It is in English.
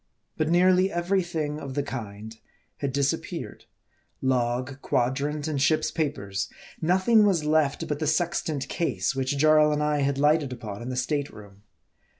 But nearly every thing of the kind had disappeared : log, quadrant, and ship's papers. Nothing was left but the sextant case, which Jarl and I had lighted upon in the state room.